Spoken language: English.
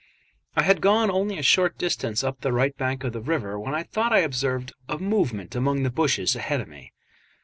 I had gone only a short distance up the right bank of the river, when I thought I observed a movement among the bushes ahead of me.